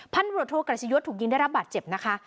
พันธุรโรโทกัสยุทธ์ถูกยิงได้รับบาดเจ็บนะคะ